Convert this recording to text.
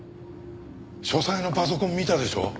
書斎のパソコン見たでしょう？